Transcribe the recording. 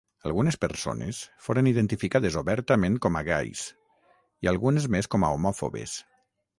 Algunes persones foren identificades obertament com a gais, i algunes més com a homòfobes.